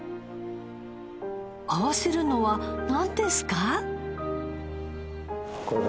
合わせるのはなんですか？